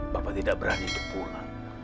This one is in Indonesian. bapak tidak berani ke pulang